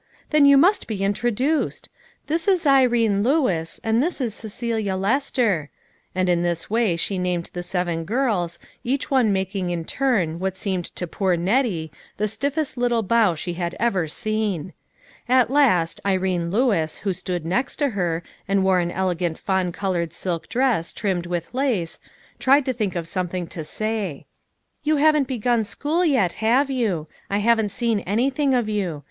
Then you must be introduced. This is Irene LOIJKNA BAB8TOW. A SABBATH TO REMEMBER. 149 Lewis, and this is Cecelia Lester," and in this \\iiy she named the seven girls, each one making iu turn what seemed to poor Nettie the stiffest little bow she had ever seen. At last, Irene Lewis, who stood next to her, and wore an ele gant fawn colored silk dress trimmed with lace, tried to think of something to say. "You haven't begun school yet, have you ? I haven't seen anything of you.